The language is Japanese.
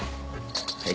はい。